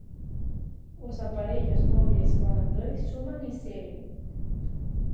Os aparellos móbiles con Android suman e seguen.